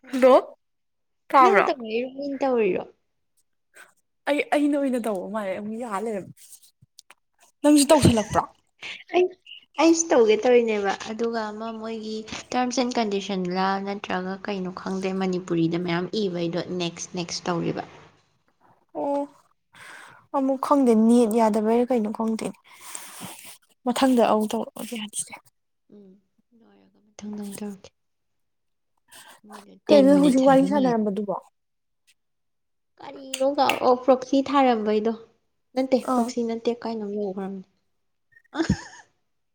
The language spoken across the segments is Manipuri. ꯍꯜꯂꯣ ꯅꯪ ꯇꯥꯕ꯭ꯔꯣ ꯇꯧꯔꯛꯏꯔꯣ ꯅꯩꯅ ꯇꯧꯔꯤꯔꯣ ꯑꯩ ꯑꯩꯅ ꯑꯣꯏꯅ ꯇꯧꯕ ꯃꯥꯜꯂꯦ ꯑꯃꯨꯛ ꯌꯥꯜꯂꯦ ꯅꯪꯁꯨ ꯇꯧꯁꯜꯂꯛꯄ꯭ꯔꯣ ꯑꯩ ꯑꯩꯁꯨ ꯇꯧꯒꯦ ꯇꯧꯔꯤꯅꯦꯕ ꯑꯗꯨꯒ ꯑꯃ ꯃꯣꯏꯒꯤ ꯇꯔꯝꯁ ꯑꯦꯟ ꯀꯟꯗꯤꯁꯟꯂꯥ ꯅꯠꯇ꯭ꯔꯒ ꯀꯩꯅꯣ ꯈꯪꯗꯦ ꯃꯅꯤꯄꯨꯔꯤꯗ ꯃꯌꯥꯝ ꯏꯕꯩꯗꯣ ꯅꯦꯛꯁ ꯅꯦꯛꯁ ꯇꯧꯔꯤꯕ ꯑꯣ ꯑꯃꯨꯛ ꯈꯪꯗꯦ ꯅꯦꯠ ꯌꯥꯗꯕꯩꯔꯥ ꯀꯩꯅꯣ ꯈꯪꯗꯦ꯫ ꯃꯊꯪꯗ ꯑꯃ ꯇꯧꯔꯛꯑꯣ ꯌꯥꯅꯤꯗ꯫ ꯎꯝ ꯂꯣꯏꯔꯒ ꯃꯊꯪꯗꯪ ꯑꯃ ꯇꯧꯔꯛꯀꯦ꯫ ꯃꯣꯏꯅ ꯇꯦꯟ ꯀꯩꯅꯣ ꯍꯧꯖꯤꯛ ꯃꯤꯅꯤꯠꯁ ꯋꯥꯔꯤ ꯍꯥꯏꯕ ꯃꯥꯂꯦ꯫ ꯁꯥꯟꯅꯔꯝꯕꯗꯨꯕꯣ ꯀꯔꯤꯅꯣ ꯀ ꯑꯣ ꯄ꯭ꯔꯣꯛꯁꯤ ꯊꯥꯔꯝꯕꯩꯗꯣ ꯅꯠꯇꯦ ꯑ ꯄ꯭ꯔꯣꯛꯁꯤ ꯅꯠꯇꯦ ꯇꯦꯛ ꯀꯥꯏꯅꯣꯝ ꯌꯧꯈꯒ꯭ꯔꯝꯅꯣ [unintelligible]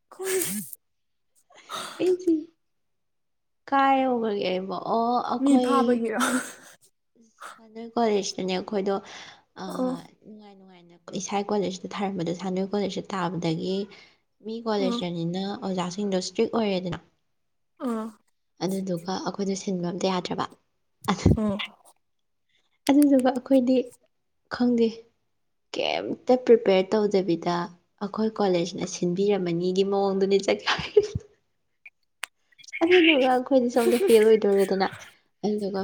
[unintelligible] ꯑꯩꯁꯤ ꯀꯥꯏ ꯌꯧꯒꯔꯒꯦ ꯑꯩꯕꯣ ꯑꯣ ꯃꯤ ꯑꯩꯈꯣꯏ ꯐꯥꯕꯒꯤꯔꯣ [unintelligible] ꯅꯣꯏ ꯀꯣꯂꯦꯖꯇꯅꯦ ꯑꯩꯈꯣꯏꯗꯣ ꯑꯣ꯫ ꯑꯥ ꯅꯨꯡꯉꯥꯏ ꯅꯨꯡꯉꯥꯏꯅ ꯏꯁꯥ ꯀꯣꯂꯦꯖꯇ ꯊꯥꯔꯝꯕꯗꯣ ꯁꯥꯟꯅꯣꯏ ꯀꯣꯂꯦꯖꯇ ꯇꯥꯕꯗꯒꯤ ꯃꯤ ꯎꯝ ꯀꯣꯂꯦꯖꯇꯅꯤꯅ ꯑꯣꯖꯥꯁꯤꯡꯗꯣ ꯏꯁꯇ꯭ꯔꯤꯛ ꯑꯣꯏꯔꯦꯗꯅ ꯑꯥ ꯑꯗꯨꯗꯨꯒ ꯑꯩꯈꯣꯏꯗꯣ ꯁꯤꯟꯕ ꯑꯝꯇ ꯌꯥꯗ꯭ꯔꯕ ꯑꯁ ꯎꯝ ꯑꯗꯨꯗꯨꯒ ꯑꯩꯈꯣꯏꯗꯤ ꯈꯪꯗꯦ ꯀꯩꯝꯇ ꯄ꯭ꯔꯤꯄꯦꯌꯔ ꯇꯧꯗꯕꯤꯗ ꯑꯩꯈꯣꯏ ꯀꯣꯂꯦꯖꯅ ꯁꯤꯟꯕꯤꯔꯝꯕꯅꯤꯒꯤ ꯃꯑꯣꯡꯗꯅꯤ ꯆꯠ ꯑꯗꯨꯗꯨꯒ ꯑꯩꯈꯣꯏꯗꯤ ꯁꯣꯝꯗ ꯐꯦꯜ ꯑꯣꯏꯗꯧꯔꯣꯗꯅ ꯑꯗꯨꯗꯨꯒ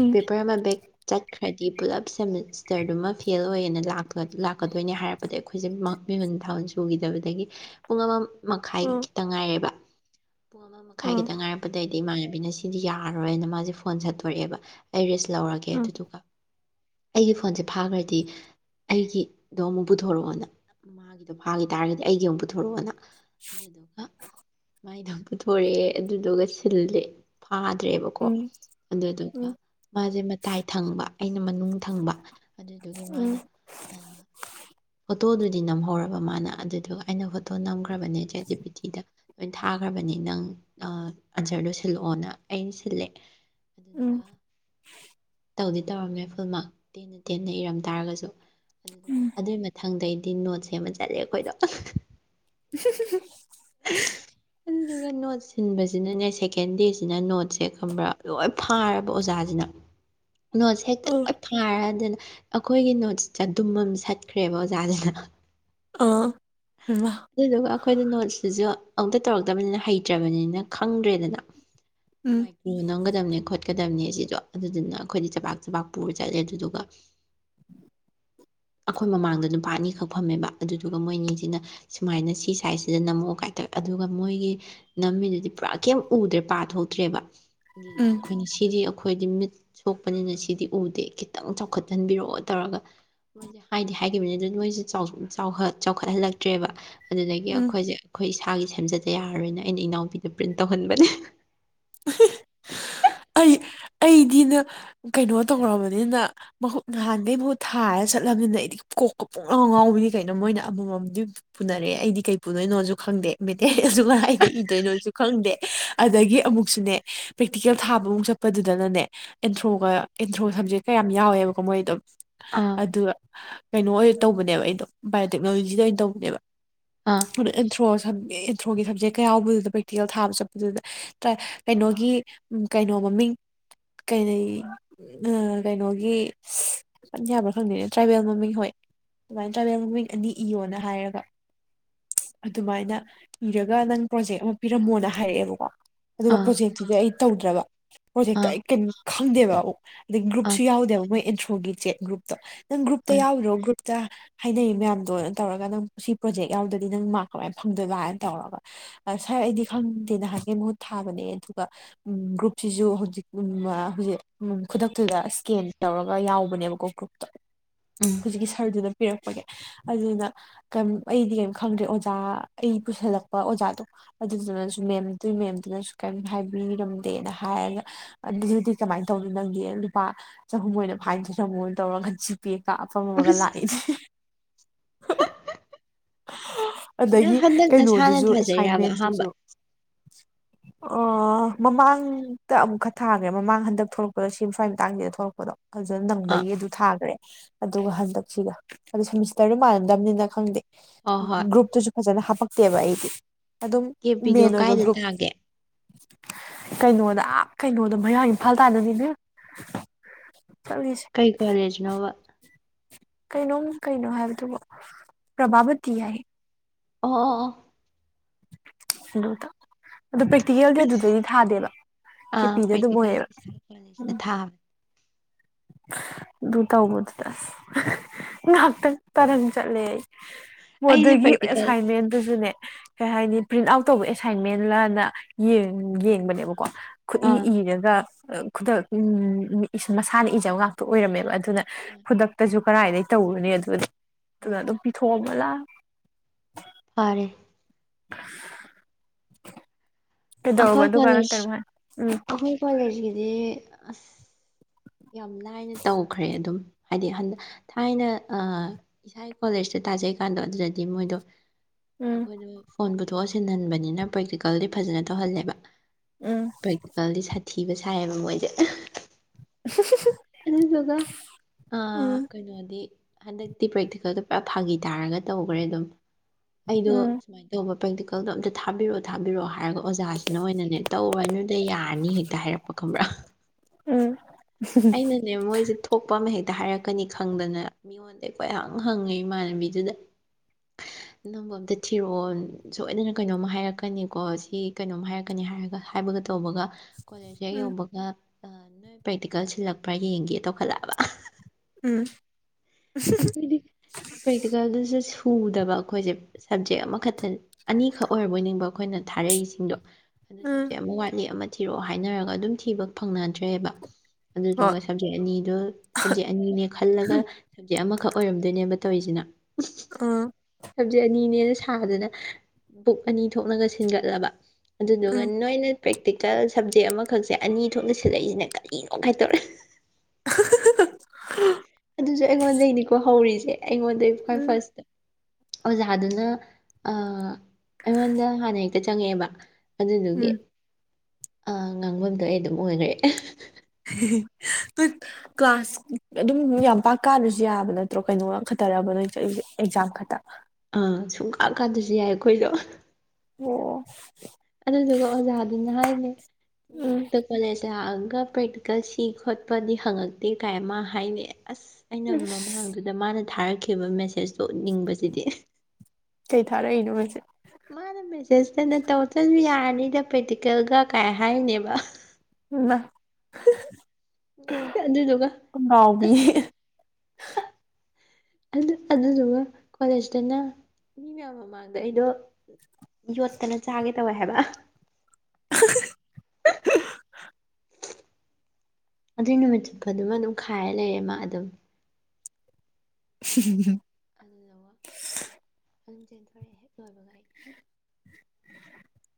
ꯎꯝ ꯄꯦꯄꯔ ꯑꯃ ꯕꯦꯛ ꯆꯠꯈ꯭ꯔꯗꯤ ꯄꯨꯂꯞ ꯁꯦꯃꯤꯁꯇꯔꯗꯨꯃ ꯐꯦꯜ ꯑꯣꯏꯌꯦꯅ ꯂꯥꯛꯀꯗꯣꯏꯅꯦ ꯍꯥꯏꯔꯛꯄ ꯑꯗꯩ ꯑꯩꯈꯣꯏꯁꯦ ꯃꯤꯍꯨꯟ ꯊꯥꯍꯨꯟ ꯁꯨꯒꯤꯗꯕꯗꯒꯤ ꯄꯨꯡ ꯑꯃꯝ ꯃꯈꯥꯏ ꯎꯝ ꯈꯤꯇꯡ ꯉꯥꯏꯔꯦꯕ ꯄꯨꯡ ꯑꯃ ꯃꯈꯥꯏ ꯎꯝ ꯈꯤꯇꯪ ꯉꯥꯏꯔꯛꯄꯗ ꯑꯩꯗꯤ ꯏꯃꯥꯟꯅꯕꯤꯅ ꯁꯤꯗꯤ ꯌꯥꯔꯔꯣꯏꯅ ꯃꯥꯁꯦ ꯐꯣꯟ ꯁꯠꯇꯣꯔꯛꯑꯦꯕ ꯑꯩ ꯔꯤꯛꯁ ꯂꯧꯔꯒꯦ ꯑꯗꯨꯗꯨꯒ ꯑꯩꯒꯤ ꯐꯣꯟꯁꯦ ꯐꯥꯈ꯭ꯔꯗꯤ ꯑꯩꯒꯤꯗꯣ ꯑꯃꯨꯛ ꯄꯨꯊꯣꯔꯛꯑꯣꯅ ꯃꯥꯒꯤꯗꯣ ꯐꯥꯈꯤ ꯇꯥꯔꯒꯗꯤ ꯑꯩꯒꯤ ꯑꯃꯨꯛ ꯄꯨꯊꯣꯔꯛꯑꯣꯅ ꯑꯗꯨꯗꯨꯒ ꯃꯥꯏꯗꯪ ꯄꯨꯊꯣꯔꯛꯑꯦ ꯑꯗꯨꯗꯨꯒ ꯁꯤꯜꯂꯦ ꯐꯥꯗ꯭ꯔꯦꯕ ꯀꯣ ꯎꯝ ꯑꯗꯨꯗꯨꯒ ꯎꯝ ꯃꯥꯁꯦ ꯃꯇꯥꯏ ꯊꯪꯕ ꯑꯩꯅ ꯃꯅꯨꯡ ꯊꯪꯕ ꯑꯗꯨꯗꯨꯒꯤ ꯃꯥꯅ ꯑ ꯐꯣꯇꯣꯗꯨꯗꯤ ꯅꯝꯍꯧꯔꯕ ꯃꯥꯅ ꯑꯗꯨꯗꯨꯒ ꯑꯩꯅ ꯐꯣꯇꯣ ꯅꯝꯈ꯭ꯔꯕꯅꯦ ꯆꯥꯔꯠ ꯖꯤꯄꯤꯇꯤꯗ ꯂꯣꯏꯅ ꯊꯥꯈ꯭ꯔꯕꯅꯤ ꯅꯪ ꯑꯟꯁꯔꯗꯣ ꯁꯤꯜꯂꯛꯑꯣꯅ ꯑꯩꯅ ꯁꯤꯜꯂꯦ ꯎꯝ ꯑꯗꯨꯗꯨꯒ ꯇꯧꯗꯤ ꯇꯧꯔꯝꯃꯦ ꯐꯨꯜꯃꯛ ꯇꯦꯟ ꯇꯦꯗꯅ ꯏꯔꯝ ꯇꯥꯔꯒꯁꯨ ꯑꯗꯨꯗꯨꯒ ꯎꯝ ꯑꯗꯨꯏ ꯃꯊꯪꯗꯩꯗꯤ ꯅꯣꯠ ꯁꯦꯝꯃ ꯆꯠꯂꯦ ꯑꯩꯈꯣꯏꯗꯣ [unintelligible] ꯑꯗꯨꯒ ꯅꯣꯠ ꯁꯤꯟꯕꯁꯤꯅꯅꯦ ꯁꯦꯀꯦꯟ ꯗꯦꯁꯤꯅ ꯅꯣꯠꯁꯦ ꯈꯪꯕ꯭ꯔꯥ ꯂꯣꯏ ꯐꯥꯔꯕ ꯑꯣꯖꯥꯁꯤꯅ ꯅꯣꯠꯁ ꯍꯦꯛꯇ ꯂꯣꯏ ꯐꯥꯔꯦ ꯑꯗꯨꯅ ꯑꯩꯈꯣꯏꯒꯤ ꯅꯣꯠꯁꯇ ꯖꯗꯨꯝ ꯑꯃ ꯁꯠꯈ꯭ꯔꯦꯕ ꯑꯣꯖꯥꯁꯤꯅ ꯑꯥ ꯍꯩꯃꯥ ꯑꯗꯨꯗꯨꯒ ꯑꯩꯈꯣꯏꯗꯤ ꯅꯣꯠꯁꯤꯁꯨ ꯑꯃꯨꯛꯇ ꯇꯧꯔꯛꯇꯕꯅꯤꯅ ꯍꯩꯇ꯭ꯔꯕꯅꯤꯅ ꯈꯪꯗ꯭ꯔꯦꯗꯅ ꯎꯝ ꯃꯥꯏꯀꯔꯣ ꯅꯝꯒꯗꯕꯅꯦ ꯈꯣꯠꯀꯗꯕꯅꯦ ꯁꯤꯗꯣ ꯑꯗꯨꯗꯨꯅ ꯑꯩꯈꯣꯏꯗꯤ ꯆꯕꯥꯛ ꯆꯕꯥꯛ ꯄꯨꯔ ꯆꯠꯂꯦ ꯑꯗꯨꯗꯨꯒ [inaudible] ꯑꯩꯈꯣꯏ ꯃꯃꯥꯡꯗ ꯅꯨꯄꯥ ꯑꯅꯤꯈꯛ ꯐꯝꯃꯦꯕ ꯑꯗꯨꯗꯨꯒ ꯃꯣꯏ ꯑꯅꯤꯁꯤꯅ ꯁꯨꯃꯥꯏꯅ ꯁꯤ ꯁꯥꯏꯖꯁꯤꯗ ꯅꯝꯃꯛꯑꯣ ꯀꯥꯏ ꯇꯧ ꯑꯗꯨꯒ ꯃꯣꯏꯒꯤ ꯅꯝꯃꯤꯗꯨꯗꯤ ꯄꯨꯔꯥ ꯀꯩꯝ ꯎꯗ꯭ꯔꯦ ꯄꯥꯊꯣꯛꯇ꯭ꯔꯦꯕ ꯑꯗꯨꯗꯨ ꯎꯝ ꯑꯩꯈꯣꯏꯅ ꯁꯤꯗꯤ ꯑꯩꯈꯣꯏꯗꯤ ꯃꯤꯠ ꯁꯣꯛꯄꯅꯤꯅ ꯁꯤꯗꯤ ꯎꯗꯦ ꯈꯤꯇꯪ ꯆꯥꯎꯈꯠꯍꯟꯕꯤꯔꯛꯑꯣ ꯇꯧꯔꯒ ꯃꯣꯏꯁꯦ ꯍꯥꯏꯗꯤ ꯍꯥꯏꯈꯤꯕꯅꯤ ꯑꯗꯨ ꯃꯣꯏꯁꯦ ꯆꯥꯎ ꯆꯥꯎꯈꯠꯍꯜꯂꯛꯇ꯭ꯔꯦꯕ ꯑꯗꯨꯗꯒꯤ ꯎꯝ ꯑꯩꯈꯣꯏꯁꯦ ꯑꯩꯈꯣꯏ ꯏꯁꯥꯒꯤ ꯁꯦꯝꯖꯗ ꯌꯥꯔꯔꯣꯏꯅ ꯑꯩꯅ ꯏꯅꯥꯎꯕꯤꯗ ꯄ꯭ꯔꯤꯟ ꯇꯧꯍꯟꯕꯅꯦ [unintelligible] [unintelligible] ꯑꯩ ꯑꯩꯗꯤꯅ ꯀꯩꯅꯣ ꯇꯧꯔꯕꯅꯤꯅ ꯅꯍꯥꯟꯈꯩꯕ ꯃꯍꯨꯠ ꯊꯥꯔ ꯆꯠꯂꯕꯅꯤꯅ ꯑꯩꯗꯤ ꯀꯣꯛꯀ ꯄꯨꯡꯉꯥꯎꯕꯅꯤ ꯀꯩꯅꯣ ꯃꯣꯏꯅ ꯑꯃꯃꯝꯗꯤ ꯄꯨꯅꯔꯛꯑꯦ ꯑꯩꯗꯤ ꯀꯩ ꯄꯨꯗꯣꯏꯅꯣꯁꯨ ꯈꯪꯗꯦ ꯃꯦꯇꯔꯤꯌꯜꯁꯨ ꯀꯥꯏꯗ ꯏꯗꯣꯏꯅꯣꯁꯨ ꯈꯪꯗꯦ ꯑꯗꯒꯤ ꯑꯃꯨꯛꯁꯨꯅꯦ ꯄ꯭ꯔꯦꯛꯇꯤꯀꯦꯜ ꯊꯥꯕꯃꯨꯛ ꯆꯠꯄꯗꯨꯗꯅꯅꯦ ꯑꯦꯟꯊ꯭ꯔꯣꯒ ꯑꯦꯟꯊ꯭ꯔꯣ ꯁꯕꯖꯦꯛꯀ ꯌꯥꯝ ꯌꯥꯎꯋꯦꯕꯀꯣ ꯃꯣꯏꯗꯣ ꯑꯥ ꯑꯗꯨꯒ ꯀꯩꯅꯣ ꯑꯣꯏꯅ ꯇꯧꯕꯅꯦꯕ ꯑꯩꯗꯣ ꯕꯥꯏꯑꯣꯇꯦꯛꯅꯣꯂꯣꯖꯤꯗ ꯑꯣꯏꯅ ꯇꯧꯕꯅꯦꯕ ꯑꯥ ꯑꯗꯨ ꯑꯦꯟꯊ꯭ꯔꯣ ꯑꯦꯟꯊ꯭ꯔꯣꯒꯤ ꯁꯞꯖꯦꯛ ꯀ ꯌꯥꯎꯕꯗꯨꯗ ꯄ꯭ꯔꯦꯛꯇꯤꯀꯦꯜ ꯊꯥꯕ ꯆꯠꯄꯗꯨꯗ ꯀꯩꯅꯣꯒꯤ ꯀꯩꯅꯣ ꯃꯃꯤꯡ ꯀꯩꯩ ꯎ ꯀꯩꯅꯣꯒꯤ ꯌꯥꯕ꯭ꯔꯥ ꯈꯪꯗꯦꯅꯦ ꯇ꯭ꯔꯥꯏꯕꯦꯜ ꯃꯃꯤꯡ ꯍꯣꯏ ꯑꯗꯨꯨꯃꯥꯏꯅ ꯇ꯭ꯔꯥꯏꯕꯦꯜ ꯃꯃꯤꯡ ꯑꯅꯤ ꯏꯌꯣꯅ ꯍꯥꯏꯔꯒ ꯑꯗꯨꯃꯥꯏꯅ ꯏꯔꯒ ꯅꯪ ꯄ꯭ꯔꯣꯖꯦꯛ ꯑꯃ ꯄꯤꯔꯝꯃꯣꯅ ꯍꯥꯏꯔꯛꯑꯦꯕꯀꯣ ꯑꯗꯨꯒ ꯑꯥ ꯄ꯭ꯔꯣꯖꯦꯛꯇꯨꯗꯤ ꯑꯩ ꯇꯧꯗ꯭ꯔꯕ ꯄ꯭ꯔꯣꯖꯦꯛꯇꯣ ꯑꯥ ꯑꯩ ꯀꯩꯅꯣ ꯈꯪꯗꯦꯕ ꯑꯗꯩ ꯑꯥ ꯒ꯭ꯔꯨꯞꯁꯨ ꯌꯥꯎꯗꯦꯕ ꯃꯣꯏ ꯑꯦꯟꯊ꯭ꯔꯣꯒꯤ ꯆꯦꯠ ꯒ꯭ꯔꯨꯞꯇꯣ ꯅꯪ ꯒ꯭ꯔꯨꯞꯇ ꯑꯥ ꯌꯥꯎꯗꯣ ꯒ꯭ꯔꯨꯞꯇ ꯍꯥꯏꯅꯩ ꯃꯌꯥꯝꯗꯣ ꯇꯧꯔꯒ ꯅꯪ ꯁꯤ ꯄ꯭ꯔꯣꯖꯦꯛ ꯌꯥꯎꯗꯗꯤ ꯅꯪ ꯃꯥꯔꯛ ꯀꯃꯥꯏꯅ ꯐꯪꯗꯣꯏꯕꯅ ꯇꯧꯔꯒ ꯁꯥꯔ ꯑꯩꯗꯤ ꯈꯪꯗꯦ ꯅꯍꯥꯟꯀꯤ ꯃꯍꯨꯠ ꯊꯥꯕꯅꯦ ꯑꯗꯨꯒ ꯎꯝ ꯒ꯭ꯔꯨꯞꯁꯤꯁꯨ ꯍꯧꯖꯤꯛ ꯍꯧꯖꯤꯛ ꯎꯝ ꯈꯨꯗꯛꯇꯨꯗ ꯁꯀꯦꯟ ꯇꯧꯔꯒ ꯌꯥꯎꯕꯅꯦꯕꯀꯣ ꯀ꯭ꯔꯨꯞ ꯎꯝ ꯍꯧꯖꯤꯛꯀꯤ ꯁꯔꯗꯨꯅ ꯄꯤꯔꯛꯄꯒꯦ ꯑꯗꯨꯅ ꯑꯩꯗꯤ ꯀꯩꯝ ꯈꯪꯗ꯭ꯔꯦ ꯑꯣꯖꯥ ꯑꯩ ꯄꯨꯁꯤꯜꯂꯛꯄ ꯑꯣꯖꯥꯗꯣ ꯑꯗꯨꯗꯨꯅꯁꯨ ꯃꯦꯝꯗꯨ ꯃꯦꯝꯗꯨꯅꯁꯨ ꯀꯔꯤꯝ ꯍꯥꯏꯕꯤꯔꯝꯗꯦꯅ ꯍꯥꯏꯔꯒ ꯑꯗꯨ ꯍꯧꯖꯤꯛꯇꯤ ꯀꯃꯥꯏꯅ ꯇꯧꯅꯤ ꯅꯪꯗꯤ ꯂꯨꯄꯥ ꯆꯍꯨꯝ ꯑꯣꯏꯅ ꯐꯥꯏꯟ ꯗ ꯊꯤꯔꯣꯅ ꯇꯧꯔꯒ ꯄꯦ ꯀꯥꯞꯄꯝꯃꯒ ꯑꯁ ꯂꯥꯛꯏꯅꯦ ꯅꯪ ꯑꯗꯒꯤ ꯍꯟꯗꯛ ꯅꯁꯥꯅ ꯀꯩꯅꯣꯗꯨꯁꯨ ꯊꯥꯖꯩꯔꯕ ꯑꯍꯥꯟꯕ ꯑꯦꯁꯥꯏꯟꯃꯦꯟꯗꯨꯨꯁꯨ ꯑꯣ ꯃꯃꯥꯡꯗ ꯑꯃꯨꯛ ꯈ ꯊꯥꯈ꯭ꯔꯦ ꯃꯃꯥꯡ ꯍꯟꯗꯛ ꯊꯣꯛꯂꯛꯄꯗꯣ ꯁꯦꯝ ꯁ꯭ꯋꯥꯏ ꯃꯇꯥꯡꯁꯤꯗ ꯊꯣꯛꯂꯛꯄꯗꯣ ꯐꯖꯅ ꯑꯥ ꯑꯥ ꯅꯪꯕꯒꯤ ꯑꯗꯨ ꯊꯥꯈ꯭ꯔꯦ ꯑꯗꯨꯒ ꯍꯟꯗꯛꯁꯤꯒ ꯑꯗꯨ ꯁꯦꯃꯤꯁꯇꯔꯗꯨ ꯃꯥꯟꯅꯗꯕꯅꯤꯅ ꯈꯪꯗꯦ ꯍꯣꯏ ꯍꯣꯏ ꯒ꯭ꯔꯨꯞꯇꯨꯁꯨ ꯐꯖꯅ ꯍꯥꯞꯄꯛꯇꯦꯕ ꯑꯩꯗꯤ ꯑꯗꯨꯝ ꯀꯦꯄꯤꯗꯣ ꯃꯦꯟ ꯑꯣꯏꯕ ꯀꯥꯏꯗ ꯒ꯭ꯔꯨꯞ ꯊꯥꯒꯦ ꯀꯩꯅꯣꯗ ꯑꯥ ꯀꯩꯅꯣꯗ ꯃꯌꯥꯡ ꯏꯝꯐꯥꯜ ꯇꯥꯟꯅꯅꯤꯅꯦ ꯆꯠꯔꯤꯁꯦ ꯀꯩ ꯀꯣꯂꯦꯖꯅꯣꯕ ꯀꯩꯅꯣꯝ ꯀꯩꯅꯣ ꯍꯥꯏꯕꯗꯨꯕꯨ ꯄ꯭ꯔꯚꯥꯕꯇꯤ ꯌꯥꯏ ꯑꯣ ꯑꯣ ꯑꯗꯨꯗ ꯑꯗꯨ ꯄ꯭ꯔꯦꯛꯇꯤꯀꯦꯜꯗꯤ ꯑꯁ ꯑꯗꯨꯗꯩꯗꯤ ꯊꯥꯗꯦꯕ ꯀꯦ ꯑꯥ ꯄꯤꯗ ꯑꯗꯨꯝ ꯄ꯭ꯔꯦꯛꯇꯤꯀꯦꯜꯗꯤ ꯑꯣꯏꯌꯦꯕ ꯏꯁꯥꯒꯤ ꯀꯣꯂꯦꯖꯇ ꯎꯝ ꯊꯥꯕꯅꯦ ꯑꯗꯨ ꯇꯧꯕꯗꯨꯗ ꯑꯁ ꯉꯥꯏꯍꯥꯛꯇꯪ ꯇꯔꯪ ꯆꯠꯂꯦ ꯑꯩ ꯑꯩꯗꯤ ꯑꯗꯒꯤ ꯄ꯭ꯔꯦꯛꯇꯤꯀꯦꯜ ꯑꯦꯁꯥꯏꯟꯃꯦꯟꯗꯨꯁꯨꯅꯦ ꯀꯩ ꯍꯥꯏꯅꯤ ꯄ꯭ꯔꯤꯟꯠ ꯑꯥꯎꯠ ꯇꯧꯕ ꯑꯦꯁꯥꯏꯟꯃꯦꯟꯂꯅ ꯌꯦꯡꯕꯅꯦꯕꯀꯣ ꯈꯨꯠꯏ ꯑꯥ ꯏꯔꯒ ꯈꯨꯗꯛ ꯃꯁꯥꯅ ꯏꯖꯕ ꯉꯥꯛꯇ ꯑꯣꯏꯔꯝꯃꯦꯕ ꯑꯗꯨꯅ ꯑ ꯑ ꯈꯨꯗꯛꯇꯁꯨ ꯀꯗꯥꯥꯏꯗꯒꯤꯩ ꯇꯧꯔꯨꯅꯦ ꯑꯗꯨ ꯑꯗꯨꯅ ꯍꯣꯏ ꯑꯗꯨꯝ ꯄꯤꯊꯣꯛꯑꯃ ꯂꯥꯛ ꯐꯔꯦ [unintelligible] ꯀꯩꯗꯧꯔꯕ ꯑꯩꯈꯣꯏ ꯑꯗꯨꯒ ꯅꯪ ꯀꯣꯂꯦꯖ ꯀꯩꯅꯣ ꯍꯥꯏ ꯎꯝ ꯑꯩꯈꯣꯏ ꯀꯣꯂꯦꯖ ꯀꯤꯗꯤ ꯌꯥꯝ ꯂꯥꯏꯅ ꯇꯧꯈ꯭ꯔꯦ ꯑꯗꯨꯝ ꯍꯥꯏꯗꯤ ꯍꯟꯗꯛ ꯊꯥꯏꯅ ꯏꯁꯥꯒꯤ ꯀꯣꯂꯦꯖꯇ ꯇꯥꯖꯩꯀꯥꯟꯗꯣ ꯑꯗꯨꯗꯗꯤ ꯃꯣꯏꯗꯣ ꯑꯩꯈꯣꯏꯗ ꯐꯣꯟ ꯄꯨꯊꯣꯛꯑꯁꯤꯟꯍꯟꯕꯅꯤꯅ ꯄ꯭ꯔꯦꯛꯇꯤꯀꯦꯜꯗꯤ ꯐꯖꯅ ꯇꯧꯍꯜꯂꯦꯕ ꯎꯝ ꯄ꯭ꯔꯦꯛꯇꯤꯀꯦꯜꯗꯤ ꯁꯥꯊꯤꯕ ꯁꯥꯏꯌꯦꯕ ꯃꯣꯏꯗꯤ ꯁꯤꯁꯤ [inaudible] ꯑꯗꯨꯗꯨꯒ ꯑ ꯀꯩꯅꯣꯗꯤ ꯍꯟꯗꯛꯇꯤ ꯄ꯭ꯔꯦꯛꯇꯤꯀꯦꯜꯗꯣ ꯄꯨꯔ ꯐꯥꯒꯤ ꯇꯥꯔꯒ ꯇꯧꯈ꯭ꯔꯦ ꯑꯗꯨꯝ ꯑꯩꯗꯣ ꯎꯝ ꯁꯨꯃꯥꯏꯅ ꯇꯧꯕ ꯄꯔꯦꯛ ꯀꯜꯗꯣ ꯑꯝꯇ ꯊꯥꯕꯤꯔꯛꯑꯣ ꯊꯥꯕꯤꯔꯛꯑꯣ ꯍꯥꯏꯔꯒ ꯑꯣꯖꯥꯁꯤꯅ ꯑꯣꯏꯅꯅꯦ ꯇꯧꯔꯅꯨꯗ ꯌꯥꯔꯅꯤ ꯍꯦꯛꯇ ꯍꯥꯏꯔꯛꯄ ꯈꯪꯕ꯭ꯔꯥ ꯎꯝ ꯑꯩꯅꯅꯦ ꯃꯣꯏꯁꯦ ꯊꯣꯛꯄ ꯑꯃ ꯍꯦꯛꯇ ꯍꯥꯏꯔꯛꯀꯅꯤ ꯈꯪꯗꯅ ꯑꯩꯉꯣꯟꯗ ꯑꯩꯈꯣꯏꯍꯪ ꯍꯪꯉꯦ ꯏꯃꯥꯟꯅꯕꯤꯗꯨꯗ [unintelligible] ꯑꯅꯝꯕ ꯑꯝꯇ ꯊꯤꯔꯣꯜ ꯁꯣꯏꯗꯅ ꯀꯩꯅꯣꯝ ꯍꯥꯏꯔꯛꯀꯅꯤꯀꯣ ꯁꯤ ꯀꯩꯅꯣꯝ ꯍꯥꯏꯔꯛꯀꯅꯤ ꯍꯥꯏꯔꯒ ꯍꯥꯏꯕꯒ ꯇꯧꯕꯒ ꯀꯣꯂꯦꯖꯇ ꯍꯦꯛ ꯎꯝ ꯌꯧꯕꯒ ꯅꯣꯏ ꯄ꯭ꯔꯦꯛꯇꯤꯀꯦꯜ ꯁꯤꯜꯂꯛꯄ꯭ꯔꯥ ꯌꯦꯡꯒꯦ ꯇꯧꯈꯠꯂꯛꯑꯕ ꯎꯝ ꯍꯥꯏꯗꯤ ꯄ꯭ꯔꯦꯛꯇꯤꯀꯦꯜꯗꯨꯁꯨ ꯁꯨꯗꯕ ꯑꯩꯈꯣꯏꯁꯦ ꯁꯕꯖꯦꯛ ꯑꯃꯈꯛꯇ ꯑꯅꯤꯈꯛ ꯑꯣꯏꯔꯕꯣꯏ ꯅꯤꯡꯕ ꯑꯩꯈꯣꯏꯅ ꯊꯥꯔꯛꯏꯁꯤꯡꯗꯣ ꯑꯗꯨ ꯁꯞꯖꯦꯛ ꯑꯃ ꯋꯥꯠꯂꯤ ꯑꯃ ꯊꯤꯔꯛꯑꯣ ꯍꯥꯏꯅꯔꯒ ꯑꯗꯨꯝ ꯊꯤꯕ ꯐꯪꯅꯗ꯭ꯔꯦꯕ ꯍꯣꯏ ꯑꯗꯨꯗꯨꯒ ꯁꯞꯖꯦꯛ ꯑꯅꯤꯗꯣ ꯁꯞꯖꯦꯛ ꯑꯅꯤꯅꯦ ꯈꯜꯂꯒ ꯁꯕꯖꯦꯛ ꯑꯃꯈꯛ ꯑꯣꯏꯔꯝꯗꯣꯏꯅꯦꯕ ꯇꯧꯔꯤꯁꯤꯅ ꯑꯥ ꯁꯕꯖꯤꯦ ꯑꯅꯤꯅꯦꯅ ꯁꯥꯗꯅ ꯕꯨꯛ ꯑꯅꯤ ꯊꯣꯛꯂꯒ ꯁꯤꯟꯒꯠꯂꯕ ꯑꯗꯨꯗꯨꯒ ꯎꯝ ꯅꯣꯏꯅ ꯄ꯭ꯔꯦꯛꯇꯤꯀꯦꯜ ꯁꯕꯖꯦꯛ ꯑꯃꯈꯛꯁꯦ ꯑꯅꯤ ꯊꯣꯛꯅ ꯁꯤꯜꯂꯛꯏꯁꯤꯅ ꯀꯔꯤꯅꯣ ꯒ ꯇꯧꯔꯛꯌꯦ [unintelligible] ꯑꯗꯨꯁꯨ ꯑꯩꯉꯣꯟꯗꯒꯤꯩꯅꯤꯀꯣ ꯍꯧꯔꯤꯁꯦ ꯑꯩꯉꯣꯟꯗꯩ ꯈ꯭ꯋꯥꯏ ꯎꯝ ꯐꯥꯔꯁꯇ ꯑꯣꯖꯥꯗꯨꯅ ꯑ ꯑꯩꯉꯣꯟꯗ ꯍꯥꯟꯅ ꯍꯦꯛꯇ ꯆꯪꯉꯛꯑꯦꯕ ꯑꯗꯨꯗꯨꯒꯤ ꯎꯝ ꯉꯥꯡꯐꯝꯗꯣ ꯑꯩ ꯑꯗꯨꯝ ꯑꯣꯏꯈ꯭ꯔꯦ [unintelligible] ꯀ꯭ꯂꯥꯁ ꯑꯗꯨꯝ ꯌꯥꯝ ꯄꯥꯛ ꯀꯥꯅꯁꯨ ꯌꯥꯕ ꯅꯠꯇ꯭ꯔꯣ ꯀꯩꯅꯣ ꯈꯠꯇꯔꯕ ꯅꯣꯏ ꯑꯦꯛꯖꯥꯝ ꯈꯛꯇ ꯑꯥ ꯁꯨꯡꯀꯥꯟ ꯀꯥꯗꯁꯨ ꯌꯥꯏ ꯑꯩꯈꯣꯏꯗꯣ ꯑꯣ ꯑꯗꯨꯗꯨꯒ ꯑꯣꯖꯥꯗꯨꯅ ꯍꯥꯏꯅꯦ ꯎꯝ ꯅꯣꯡꯇ ꯀꯣꯂꯦꯖ ꯂꯥꯛꯑꯒ ꯄ꯭ꯔꯦꯛꯇꯤꯀꯦꯜ ꯁꯤ ꯈꯣꯠꯄꯗꯤ ꯍꯪꯉꯛꯇꯦ ꯀꯥꯏ ꯑꯃ ꯍꯥꯏꯅꯩ ꯑꯁ ꯑꯩꯅ ꯃꯃꯥꯡꯗꯨꯗ ꯃꯥꯅ ꯊꯥꯔꯛꯈꯤꯕ ꯃꯦꯁꯦꯁꯇꯣ ꯎꯠꯅꯤꯡꯕꯁꯤꯗꯤ ꯆꯩ ꯊꯥꯔꯛꯏꯅꯣ ꯃꯁꯦ ꯃꯥꯅ ꯃꯦꯁꯦꯁꯇꯅ ꯇꯧ ꯆꯠꯁꯨ ꯌꯥꯔꯅꯤꯗ ꯄ꯭ꯔꯦꯛꯇꯤꯀꯦꯜꯒ ꯀꯥꯏ ꯍꯥꯏꯔꯤꯅꯦꯕ ꯑꯗꯨꯗꯨꯒ [unintelligible] ꯑꯗꯨꯗꯨꯒ ꯀꯣꯂꯦꯖꯇꯅ ꯃꯌꯥꯝ ꯃꯃꯥꯡꯗ ꯑꯩꯗꯣ ꯌꯣꯠꯇꯅ ꯆꯥꯒꯦ ꯇꯧꯋꯦ ꯍꯥꯏꯕ [unintelligible] ꯑꯗꯨꯏ ꯅꯨꯃꯤꯠ ꯆꯨꯞꯄ ꯑꯗꯨꯝ ꯑꯗꯨꯝ ꯈꯥꯏꯔ ꯂꯩꯔꯦ ꯃꯥ ꯑꯗꯨꯝ [unintelligible] ꯑꯗꯨꯅ ꯋꯥ ꯑꯗꯨꯝ ꯆꯦꯟꯊꯣꯔꯛꯑꯦ ꯍꯦꯛ ꯂꯣꯏꯕꯒꯥꯏ [unintelligible]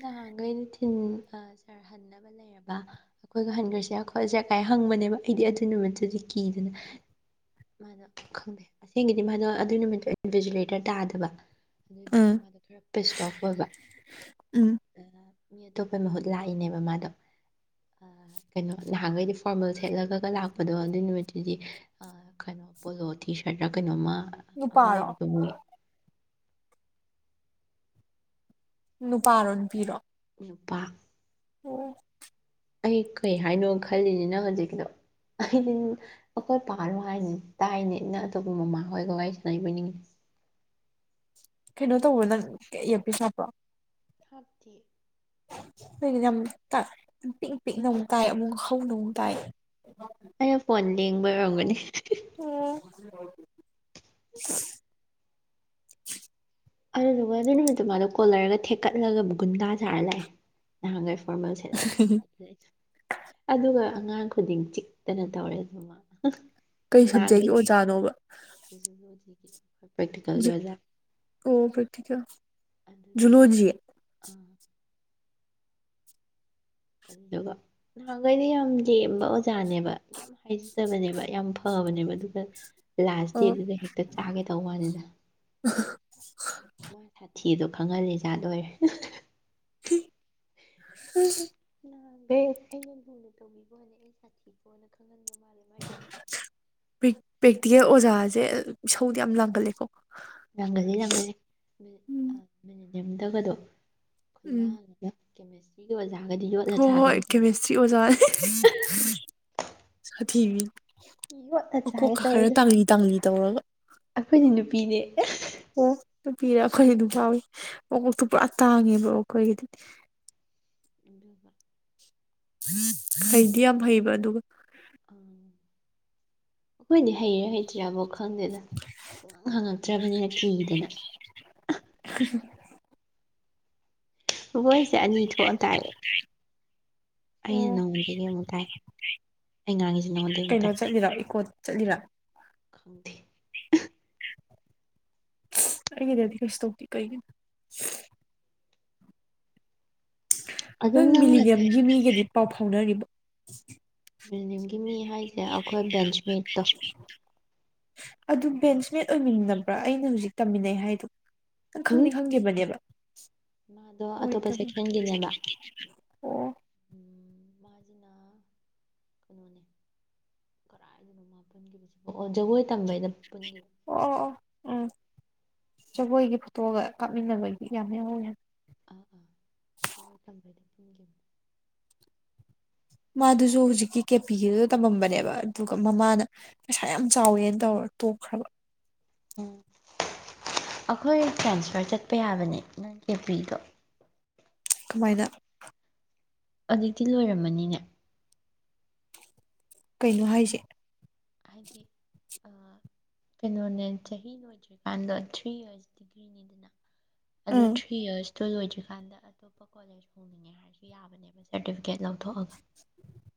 ꯅꯍꯥꯟꯈꯩꯗꯤ ꯊꯤꯟ ꯑ ꯁꯥꯔ ꯍꯟꯅꯕ ꯂꯩꯔꯕ ꯑꯩꯈꯣꯏꯒ ꯍꯟꯈ꯭ꯔꯁꯦ ꯈꯣꯠꯂꯁꯦ ꯀꯥꯏ ꯍꯪꯕꯅꯦꯕ ꯑꯩꯗꯤ ꯑꯗꯨ ꯅꯨꯃꯤꯠꯇꯨꯗꯤ ꯀꯤꯗꯅ ꯃꯥꯅꯣ ꯈꯪꯗꯦ ꯑꯁꯦꯡꯒꯤꯗꯤ ꯃꯥꯗꯣ ꯑꯗꯨꯒꯤ ꯅꯨꯃꯤꯠꯇꯣ ꯚꯤꯇꯂꯦꯇꯔ ꯇꯥꯗꯕ ꯑꯗꯨꯗꯨꯒꯤ ꯎꯝ ꯃꯥꯗꯣ ꯈꯔ ꯄꯤꯁ ꯑꯣꯐ ꯑꯣꯏꯕ ꯎꯝ ꯃꯤ ꯑꯇꯣꯞꯄꯩ ꯃꯍꯨꯠ ꯂꯥꯛꯏꯅꯦꯕ ꯃꯥꯗꯣ ꯀꯩꯅꯣ ꯅꯍꯥꯟꯈꯩꯗꯤ ꯐꯣꯔꯃꯦꯜ ꯁꯦꯠꯂꯒ ꯂꯥꯛꯄ ꯑꯗꯣ ꯑꯗꯨ ꯅꯨꯃꯤꯠꯇꯨꯗꯤ ꯀꯩꯅꯣ ꯄꯣꯂꯣ ꯇꯤ ꯁꯥꯔꯠꯇ ꯀꯩꯅꯣꯝꯃ ꯑꯃ ꯅꯨꯄꯥꯔꯣ ꯂꯩꯕꯗꯨꯅꯤ ꯅꯨꯄꯥꯔꯣ ꯅꯨꯄꯤꯔꯣ ꯅꯨꯄꯥ ꯑꯣ ꯑꯩ ꯀꯩ ꯍꯥꯏꯅꯣ ꯈꯜꯂꯤꯅꯤ ꯅꯪ ꯍꯧꯖꯤꯛꯗꯣ ꯑꯩꯗꯤ ꯑꯩꯈꯣꯏ ꯄꯥꯂꯨ ꯍꯥꯏꯅ ꯇꯥꯏꯅꯦꯅ ꯑꯇꯣꯞꯄ ꯃꯃꯥꯍꯣꯏꯒ ꯋꯥꯔꯤꯁꯨꯅꯕꯤꯅꯤꯡꯉ ꯀꯩꯅꯣ ꯇꯧꯕ ꯅꯪ ꯌꯦꯞꯄꯤ ꯁꯥꯞꯄ꯭ꯔꯣ [unintelligible] ꯍꯥꯞꯗꯤ ꯣꯏ ꯌꯥꯝ ꯄꯤꯛ ꯄꯤꯛꯅ ꯑꯃꯨꯛ ꯇꯥꯏ ꯑꯃꯨꯛ ꯍꯧꯅ ꯑꯃꯨꯛ ꯇꯥꯏ ꯑꯩꯅ ꯐꯣꯟ ꯂꯦꯡꯕ ꯑꯣꯏꯔꯝꯒꯅꯤ ꯑꯣ ꯑꯗꯨꯗꯨꯒ ꯑꯗꯨ ꯅꯨꯃꯤꯠꯇꯨ ꯃꯥꯗꯣ ꯀꯣꯜꯂꯔꯒ ꯊꯦꯛꯀꯠꯂꯒ ꯒꯨꯟꯗꯥ ꯊꯥꯔ ꯂꯥꯛꯑꯦ ꯍꯉꯥꯏ ꯐꯣꯔꯃꯦꯜꯁ ꯑꯗꯨꯒ ꯑꯉꯥꯡ ꯈꯨꯗꯤꯡ ꯆꯤꯛꯇꯅ ꯇꯧꯔꯦ ꯑꯗꯨꯃ ꯀꯩ ꯁꯝꯖꯩꯒꯦ ꯑꯣꯖꯥꯅꯣꯕ [unintelligible] ꯄ꯭ꯔꯦꯛꯇꯤꯀꯦꯜꯒꯤ ꯑꯣꯖꯥ ꯑꯣ ꯄ꯭ꯔꯤꯇꯀ ꯑ ꯇ ꯑ [unintelligible] ꯑꯗꯨꯗꯨ ꯅꯍꯥꯟꯈꯩꯗꯤ ꯌꯥꯝ ꯂꯦꯝꯕ ꯑꯣꯖꯥꯅꯦꯕ ꯌꯥꯝ ꯍꯥꯏꯖꯗꯕꯅꯦꯕ ꯌꯥꯝ ꯐꯕꯅꯦꯕ ꯑꯗꯨꯒ ꯂꯥꯁ ꯑꯣ ꯗꯦꯗꯨꯗ ꯍꯦꯛꯇ ꯆꯥꯒꯦ ꯇꯧꯕ ꯋꯥꯅꯤꯗ ꯁꯥꯊꯤ ꯏꯗꯣ ꯐꯝꯍꯜꯂꯤꯖꯥꯠꯔꯦ [unintelligible] ꯦ [unintelligible] ꯥ [unintelligible] ꯄꯦ ꯄ꯭ꯔꯦꯛꯇꯤꯀꯦꯜ ꯑꯣꯖꯥꯁꯦꯧꯗꯤ ꯌꯥꯝ ꯂꯥꯡꯒꯜꯂꯦꯀꯣ꯫ ꯂꯥꯡꯒꯜꯂꯤ ꯂꯥꯡꯒꯜꯂꯤ ꯎꯝ ꯃꯤꯅꯤꯠꯅꯤ ꯎꯝ [unintelligible] ꯀꯦꯃꯤꯁꯇ꯭ꯔꯤꯒꯤ ꯑꯣꯖꯥꯒꯗꯤ ꯌꯣꯠꯂ ꯁꯥꯒ ꯇ ꯁꯤ ꯑꯣꯖꯥ ꯁꯊꯤꯕꯤꯅꯤ ꯌꯣꯠꯂ ꯃꯀꯣꯛ ꯆꯥꯒꯦ ꯈꯔ ꯇꯧꯋꯦꯗ ꯇꯥꯡꯂꯤ ꯇꯥꯡꯂꯤ ꯇꯧꯔꯒ꯫ ꯑꯩꯈꯣꯏꯗꯤ ꯅꯨꯄꯤꯅꯦ ꯑꯣ ꯅꯨꯄꯤꯔꯦ ꯑꯈꯣꯏꯁꯨ ꯑꯗꯨꯝ ꯌꯥꯎꯏ ꯃꯀꯣꯛꯇꯨ ꯄꯨꯔꯥ ꯇꯥꯡꯉꯦꯕ ꯑꯈꯣꯏꯒꯤꯗꯨꯗꯤ꯫ ꯏꯕ ꯎ ꯍꯩꯗꯤ ꯌꯥꯝ ꯍꯩꯕ ꯑꯗꯨꯒ꯫ ꯎꯝ ꯑꯩꯈꯣꯏꯗꯤ ꯍꯩꯔꯦ ꯍꯩꯇ꯭ꯔꯕꯣ ꯈꯪꯗꯦꯗ ꯁꯨꯡꯍꯪ ꯍꯪꯉꯛꯇ꯭ꯔꯕꯅꯤꯅ ꯀꯤꯗꯅ꯫ [unintelligible] ꯕꯣꯏꯁꯦ ꯑꯅꯤ ꯊꯣꯛꯑꯅ ꯇꯥꯛꯑꯦ꯫꯫ ꯑꯣ ꯅꯉꯣꯟꯗꯒꯤ ꯑꯃꯨꯛ ꯇꯥꯏ [unintelligible] ꯑꯩ ꯉꯥꯡꯉꯤꯁꯦ ꯅꯉꯣꯟꯗꯒꯤ ꯑꯃꯨꯛ ꯀꯩꯅꯣ ꯇꯥꯏ ꯆꯠꯂꯤꯔ ꯏꯀꯣ ꯆꯠꯂꯤꯔꯥ꯫ [unintelligible] ꯑꯩꯒꯤꯗꯗꯤ ꯀꯩꯁꯨ ꯇꯧꯗꯦ ꯀꯩꯒꯤꯅꯣ꯫ ꯑꯗꯨꯝ ꯅꯪ ꯉꯁꯥꯏ ꯃꯤꯂꯤꯒꯌꯝꯒꯤ ꯃꯤꯒꯗꯤ ꯄꯥꯎ ꯐꯥꯎꯅꯔꯤꯕꯣ꯫ ꯕꯤꯜꯗꯤꯡꯒꯤ ꯃꯤ ꯍꯥꯏꯁꯦ ꯑꯩꯈꯣꯏ ꯕꯦꯟꯁꯃꯦꯠꯇꯣ꯫ ꯑꯗꯨ ꯕꯦꯟꯁꯃꯦꯠ ꯑꯣꯏꯃꯤꯟꯅꯕ꯭ꯔꯥ ꯑꯩꯅ ꯍꯧꯖꯤꯛ ꯇꯝꯃꯤꯟꯅꯩ ꯍꯥꯏꯗꯣ ꯅꯪ ꯎꯝ ꯈꯪꯗꯤ ꯅꯠꯇꯦ ꯈꯪꯗꯦꯕꯅꯦꯕ ꯃꯥꯗꯣ ꯑꯇꯣꯞꯄ ꯑꯣꯏꯗꯕ ꯁꯦꯛꯁꯟꯒꯤꯅꯦꯕ ꯑꯣ ꯎꯝ ꯃꯅꯥ ꯃꯅꯥ ꯀꯗꯥꯥꯏꯗꯅꯣ ꯖꯒꯣꯏ ꯇꯝꯕꯩꯩꯅꯈꯤꯕ꯫ ꯑꯣ ꯑꯣ ꯑꯣ ꯎꯝ ꯖꯒꯣꯏꯒꯤ ꯐꯣꯇꯣꯒ ꯀꯥꯞꯃꯤꯟꯅꯕꯗꯤ ꯌꯥꯝ ꯌꯥꯎꯋꯦ꯫ ꯑꯥ ꯑꯥ [unintelligible] ꯃꯥꯗꯨꯁꯨ ꯍꯧꯖꯤꯛꯀꯤ ꯀꯦꯄꯤꯗꯨꯗ ꯇꯝꯃꯝꯕꯅꯦꯕ ꯑꯗꯨꯒ ꯃꯃꯥꯅ ꯄꯩꯁꯥ ꯌꯥꯝ ꯆꯥꯎꯋꯦꯅ ꯇꯧꯔ ꯇꯣꯛꯈ꯭ꯔꯕ꯫ ꯎꯝ ꯑꯈꯣꯏ ꯇ꯭ꯔꯥꯟꯁꯐꯔ ꯆꯠꯄ ꯌꯥꯕꯅꯦ ꯅꯪ ꯀꯦ ꯄꯔꯤꯗꯣ꯫ ꯀꯃꯥꯏꯅ ꯑꯗꯨꯛꯇꯤ ꯂꯣꯏꯔꯝꯃꯅꯤꯅꯦ ꯀꯩꯅꯣ ꯍꯥꯏꯁꯦ꯫ [unintelligible] ꯀꯩꯅꯣꯅꯦ ꯆꯍꯤ ꯅ ꯑꯣꯏꯗ꯭ꯔꯤꯀꯥꯟꯗꯣ ꯊ꯭ꯔꯤ ꯌꯔꯁ ꯗꯤꯒ꯭ꯔꯤꯅꯤꯗꯅ꯫ ꯑꯗꯨ ꯑꯥ ꯊꯔꯤ ꯏꯌꯁ ꯑꯗꯨ ꯂꯣꯏꯗ꯭ꯔꯤꯀꯥꯟꯗ ꯑꯇꯣꯞꯄ ꯀꯣꯂꯦꯖ ꯍꯣꯡꯅꯤꯡꯉꯦ ꯍꯥꯏꯔꯁꯨ ꯌꯥꯕꯅꯦꯕ ꯁꯥꯔꯇꯤꯐꯤꯀꯦꯠ ꯂꯧꯊꯣꯛꯑꯒ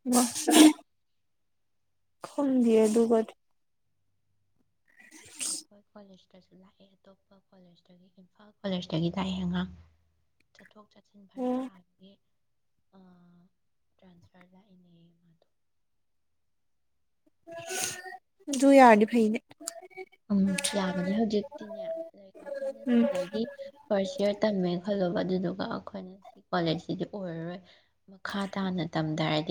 [unintelligible] ꯈꯪꯗꯦꯌꯦ ꯑꯗꯨꯒꯗꯤ ꯑꯈꯣꯏ ꯀꯣꯂꯦꯁꯇꯁꯨ ꯂꯥꯛꯑꯦ꯫ ꯀꯣꯂꯦꯖꯇꯒꯤ ꯏꯝꯐꯥꯜ ꯀꯣꯂꯦꯖꯇꯒꯤ ꯂꯥꯛ ꯑꯩ ꯉꯉꯥꯡ ꯆꯠꯊꯣꯛ ꯆꯠ ꯆꯦꯛꯁꯤꯟ ꯐꯔꯛ ꯑꯣ ꯇꯥꯕꯒꯤ ꯇ꯭ꯔꯥꯟꯁꯐꯔ ꯂꯥꯛꯏꯅꯦ ꯃꯥꯗꯣ꯫ ꯑꯗꯨ ꯌꯥꯔꯗꯤ ꯐꯩꯅꯦ꯫ ꯎꯝ ꯌꯥꯕꯅꯦ ꯍꯧꯖꯤꯛꯇꯤꯅꯦ ꯑꯈꯣꯏꯅ ꯎꯝ ꯁꯤꯗꯒꯤ꯫ ꯐꯥꯔꯁ ꯏꯌꯥꯔ ꯇꯝꯃꯦ ꯈꯜꯂꯣꯕ ꯑꯗꯨꯗꯨꯒ ꯑꯩꯈꯣꯏꯅ ꯁꯤ ꯀꯣꯂꯦꯖꯁꯤꯗꯤ ꯑꯣꯏꯔꯔꯣꯏ꯫ ꯃꯈꯥ ꯇꯥꯅ ꯇꯝꯗꯔꯗꯤ